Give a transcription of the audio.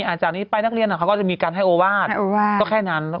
จากนี้ไปนักเรียนเขาก็จะมีการให้โอวาสก็แค่นั้น